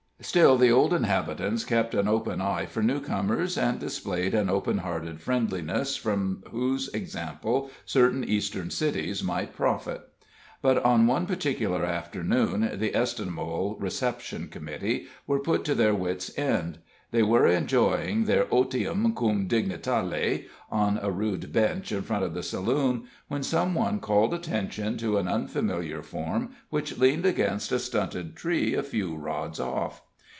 Still, the old inhabitants kept an open eye for newcomers, and displayed an open hearted friendliness from whose example certain Eastern cities might profit. But on one particular afternoon, the estimable reception committee were put to their wit's end. They were enjoying their otium cum dignitale on a rude bench in front of the saloon, when some one called attention to an unfamiliar form which leaned against a stunted tree a few rods off.